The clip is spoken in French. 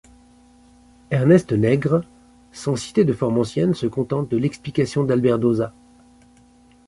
Ernest Nègre sans citer de forme ancienne se contente de l'explication d'Albert Dauzat.